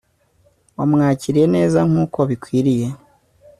wamwakiriye neza nkuko bikwiriye